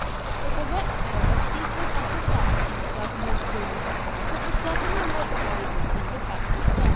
The director was seated at a desk in the governor's room, with the governor likewise seated at his side.